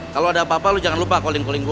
kalo ada apa apa lu jangan lupa calling calling gue